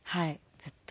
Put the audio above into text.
ずっと。